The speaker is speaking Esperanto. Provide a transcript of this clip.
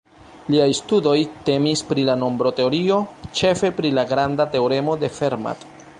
Liaj studoj temis pri la nombroteorio, ĉefe pri la granda teoremo de Fermat.